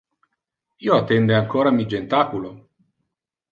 Io attende ancora mi jentaculo.